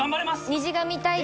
虹が見たいです。